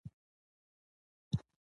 زما چای ډېر خوښیږي.